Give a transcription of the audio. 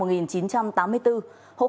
hộ khẩu thường trú tại xã phạm